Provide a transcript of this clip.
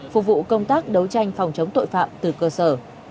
phục vụ công tác đấu tranh phòng chống tội phạm từ cơ sở